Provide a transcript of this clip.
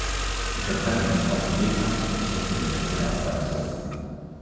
Die Verbrennung ist oft die wirksamste und sicherste Methode der Abfallentsorgung.